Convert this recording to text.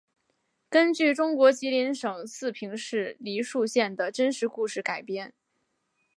根据中国吉林省四平市梨树县的真实故事改编。